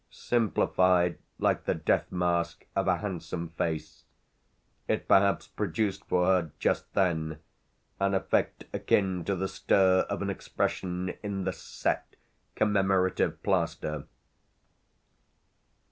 Simplified like the death mask of a handsome face, it perhaps produced for her just then an effect akin to the stir of an expression in the "set" commemorative plaster.